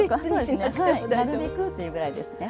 なるべくというぐらいですね。